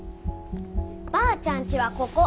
ばあちゃんちはここ！